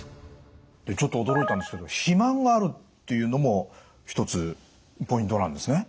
ちょっと驚いたんですけど肥満があるっていうのも１つポイントなんですね。